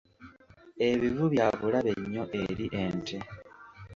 Ebivu bya bulabe nnyo eri ente.